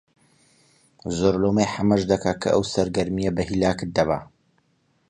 زۆر لۆمەی حەمەش دەکا کە ئەو سەرگەرمییە بە هیلاکت دەبا